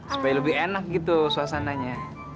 supaya lebih enak gitu suasananya